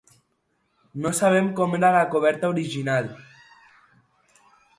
No sabem com era la coberta original.